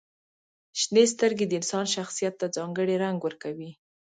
• شنې سترګې د انسان شخصیت ته ځانګړې رنګ ورکوي.